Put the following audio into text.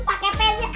pake pensil ajaib